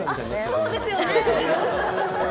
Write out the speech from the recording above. そうですよね！